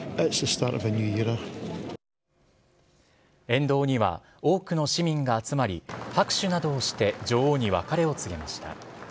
沿道には多くの市民が集まり、拍手などをして女王に別れを告げました。